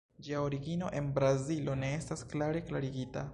Ĝia origino en Brazilo ne estas klare klarigita.